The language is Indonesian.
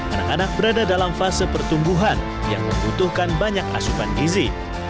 anak anak berada dalam fase pertumbuhan yang membutuhkan banyak asupan gizi